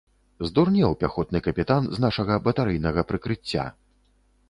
Здурнеў пяхотны капітан з нашага батарэйнага прыкрыцця.